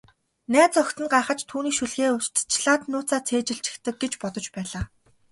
Найз охид нь гайхаж, түүнийг шүлгээ урьдчилаад нууцаар цээжилчихдэг гэж бодож байлаа.